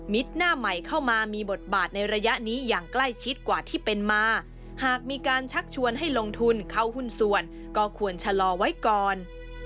หน้าใหม่เข้ามามีบทบาทในระยะนี้อย่างใกล้ชิดกว่าที่เป็นมาหากมีการชักชวนให้ลงทุนเข้าหุ้นส่วนก็ควรชะลอไว้ก่อน